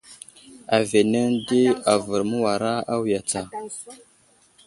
Aviyenene di avər məwara awiya tsa.